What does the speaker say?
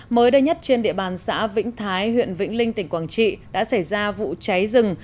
mới đây nhất trên địa bàn xã vĩnh thái huyện vĩnh linh tỉnh quảng trị đã xảy ra vụ cháy rừng